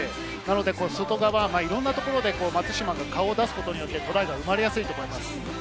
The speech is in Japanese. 外側、いろいろなところで松島が顔を出すことによってトライが生まれやすいと思います。